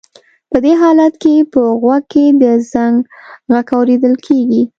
په دې حالت کې په غوږ کې د زنګ غږ اورېدل کېږي.